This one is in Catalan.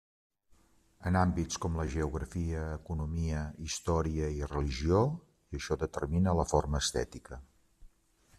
En àmbits com la geografia, economia, història i religió, i això determina la forma estètica.